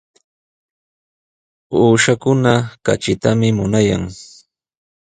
Uushakuna katritami munayan.